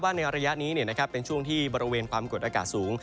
ในระยะนี้เป็นช่วงที่บริเวณความกดอากาศสูง